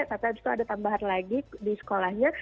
tapi habis itu ada tambahan lagi di sekolahnya